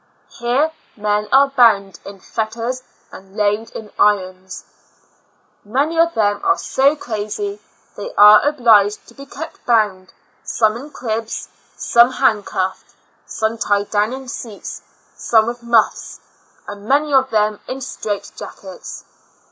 Here men are bound in fetters and laid in irons ! Many of them are so crazy they are obliged to be kept bound, some in cribs, some hand cuffed, some tied down in seats, some with muffs, and mau}^ of them in strait jackets.